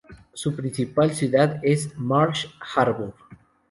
Su principal ciudad es Marsh Harbour.